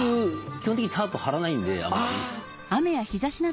基本的にタープ張らないんであんまり。